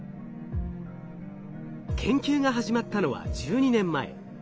研究が始まったのは１２年前。